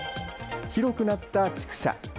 広くなった畜舎。